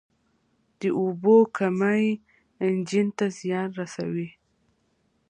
د اوبو کمی انجن ته زیان رسوي.